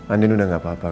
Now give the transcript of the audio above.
andin udah gak apa apa kok